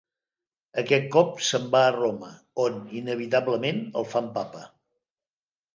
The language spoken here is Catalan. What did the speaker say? Aquest cop se'n van a Roma on, inevitablement, el fan Papa.